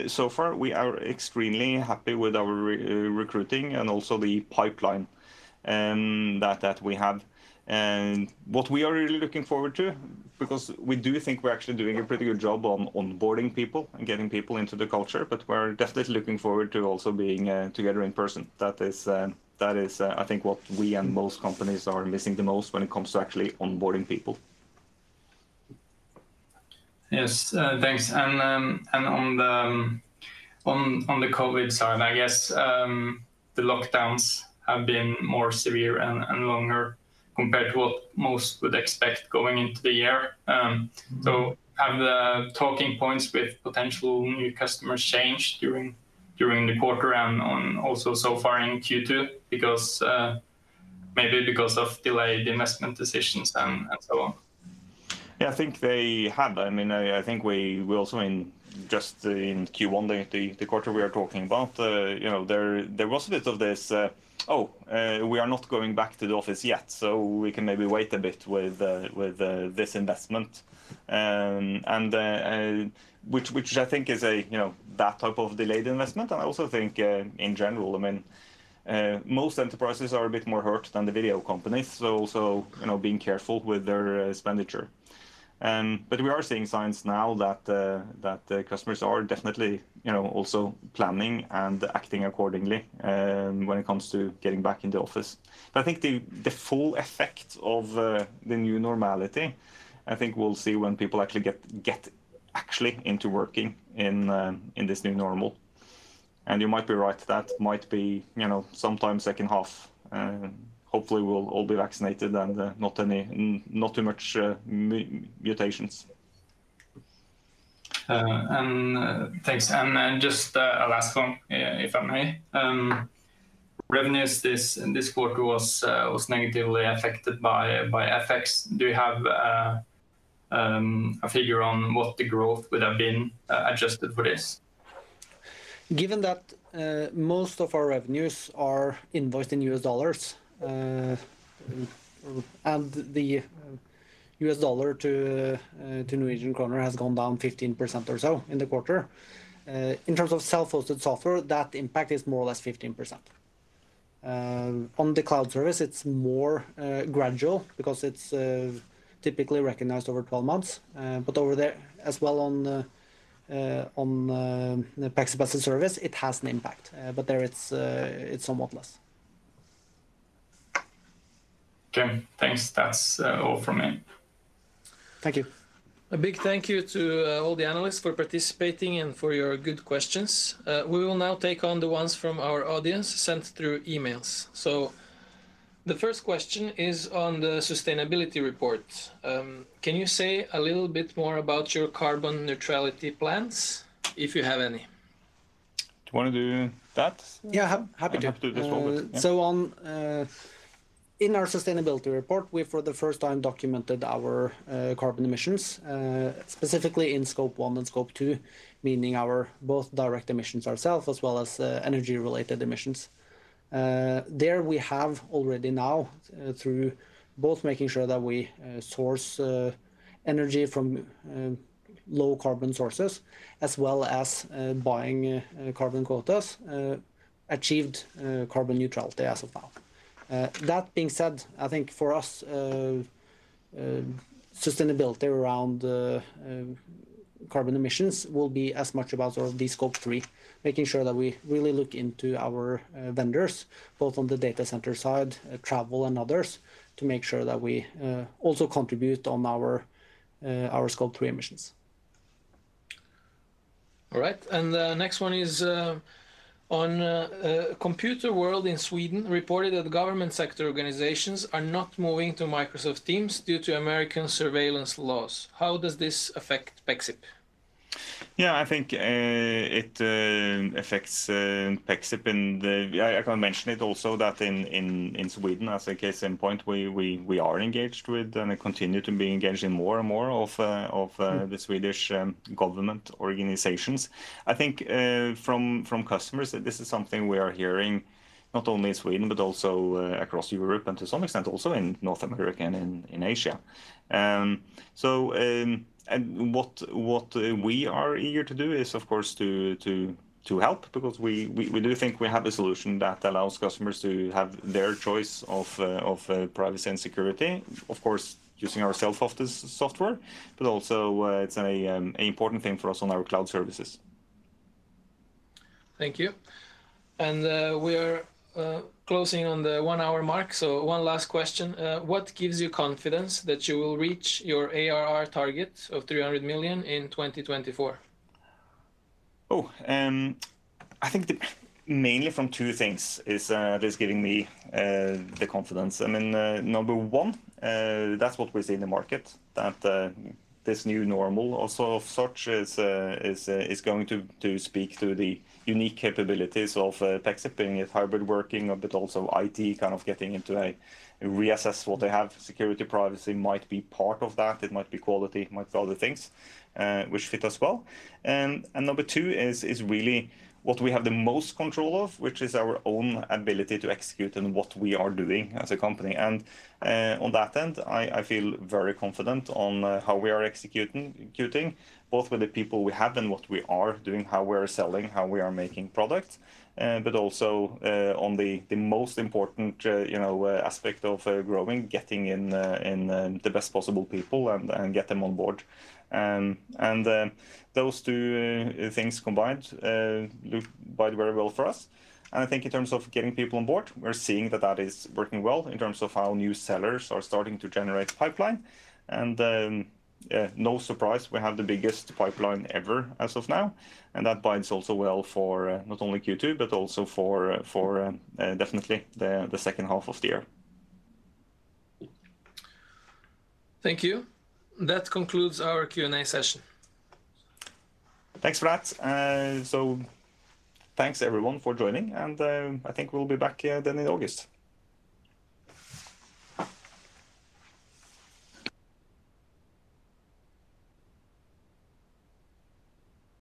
So far, we are extremely happy with our recruiting and also the pipeline that we have. What we are really looking forward to, because we do think we're actually doing a pretty good job on onboarding people and getting people into the culture, but we're definitely looking forward to also being together in person. That is I think what we and most companies are missing the most when it comes to actually onboarding people. Yes, thanks. On the COVID side, I guess, the lockdowns have been more severe and longer compared to what most would expect going into the year. Have the talking points with potential new customers changed during the quarter and on also so far in Q2, maybe because of delayed investment decisions and so on? Yeah, I think they have. I think we also in just in Q1, the quarter we are talking about, there was a bit of this, "Oh, we are not going back to the office yet, so we can maybe wait a bit with this investment." Which I think is that type of delayed investment. I also think in general, most enterprises are a bit more hurt than the video companies, so also being careful with their expenditure. We are seeing signs now that the customers are definitely also planning and acting accordingly when it comes to getting back in the office. I think the full effect of the new normality, I think we'll see when people actually get into working in this new normal, and you might be right, that might be sometime second half. Hopefully, we'll all be vaccinated and not too much mutations. Thanks. Just a last one, if I may. Revenues this quarter was negatively affected by FX. Do you have a figure on what the growth would have been adjusted for this? Given that most of our revenues are invoiced in U.S. dollars, the U.S. dollar to Norwegian kroner has gone down 15% or so in the quarter. In terms of self-hosted software, that impact is more or less 15%. On the cloud service, it's more gradual because it's typically recognized over 12 months. Over there as well on the Pexip-hosted service, it has an impact. There it's somewhat less. Okay, thanks. That's all from me. Thank you. A big thank you to all the analysts for participating and for your good questions. We will now take on the ones from our audience sent through emails. The first question is on the sustainability report. Can you say a little bit more about your carbon neutrality plans, if you have any? Do you want to do that? Yeah, happy to. Happy to do this one. In our sustainability report, we, for the first time, documented our carbon emissions, specifically in Scope 1 and Scope 2, meaning our both direct emissions ourselves as well as energy-related emissions. There we have already now through both making sure that we source energy from low carbon sources as well as buying carbon quotas achieved carbon neutrality as of now. That being said, I think for us, sustainability around carbon emissions will be as much about the Scope 3, making sure that we really look into our vendors, both on the data center side, travel, and others, to make sure that we also contribute on our Scope 3 emissions. All right. The next one is on Computer Sweden in Sweden reported that government sector organizations are not moving to Microsoft Teams due to American surveillance laws. How does this affect Pexip? Yeah, I think it affects Pexip and I can mention it also that in Sweden as a case in point, we are engaged with and continue to be engaged in more and more of the Swedish government organizations. I think from customers, this is something we are hearing not only in Sweden but also across Europe and to some extent also in North America and in Asia. What we are eager to do is, of course, to help because we do think we have a solution that allows customers to have their choice of privacy and security. Of course, using our self-hosted software, but also it's an important thing for us on our cloud services. Thank you. We are closing on the one-hour mark, so one last question. What gives you confidence that you will reach your ARR target of $300 million in 2024? I think mainly from two things is what is giving me the confidence. Number one, that's what we see in the market, that this new normal also of such is going to speak to the unique capabilities of Pexip being it hybrid working, but also IT kind of getting into a reassess what they have. Security, privacy might be part of that. It might be quality, it might be other things which fit as well. Number two is really what we have the most control of, which is our own ability to execute and what we are doing as a company. On that end, I feel very confident on how we are executing, both with the people we have and what we are doing, how we are selling, how we are making products. Also on the most important aspect of growing, getting in the best possible people and get them on board. Those two things combined look very well for us. I think in terms of getting people on board, we're seeing that that is working well in terms of how new sellers are starting to generate pipeline. No surprise, we have the biggest pipeline ever as of now. That bodes also well for not only Q2, but also for definitely the second half of the year. Thank you. That concludes our Q&A session. Thanks for that. Thanks everyone for joining, and I think we'll be back here then in August.